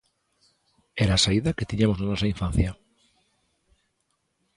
Era a saída que tiñamos na nosa infancia.